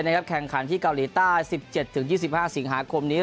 แข่งขันที่เกาหลีใต้๑๗๒๕สิงหาคมนี้